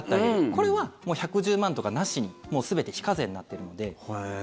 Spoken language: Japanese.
これはもう１１０万とかなしにもう全て非課税になってるので。